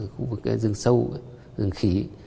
khu vực rừng sâu rừng khỉ